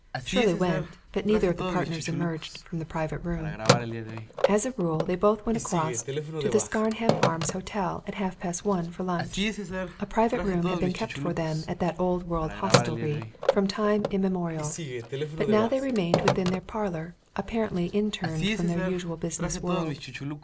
Shirley went but neither of the partners emerged from the private room. As a rule they both went across to the Scarnham Arms Hotel at half past one for lunch a private room had been kept for them at that old world hostelry from time immemorial but now they remained within their parlour, apparently interned from their usual business world.